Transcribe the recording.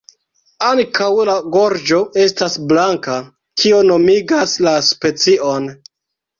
Ankaŭ la gorĝo estas blanka, kio nomigas la specion.